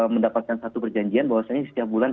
mendapatkan satu perjanjian bahwasannya setiap bulan